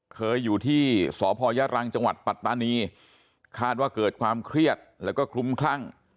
เคยอยู่ที่สพยรังจังหวัดปัตตานีคาดว่าเกิดความเครียดแล้วก็คลุ้มคลั่ง